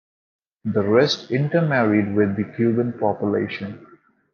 The rest intermarried with the Cuban population.